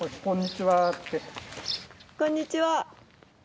こんにちは。